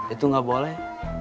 itu gak boleh